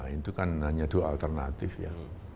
itu kan hanya dua alternatif ya